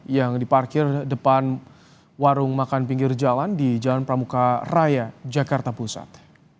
yang diparkir depan warung makan pinggir jalan di jalan pramuka raya jakarta pusat